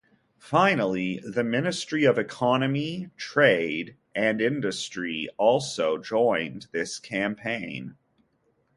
Finally, the Ministry of Economy, Trade and Industry also joined this campaign.